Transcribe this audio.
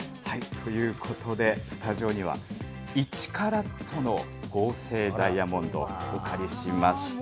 ということで、スタジオには、１カラットの合成ダイヤモンドをお借りしました。